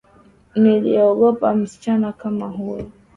Niliogopa msichana kama huyo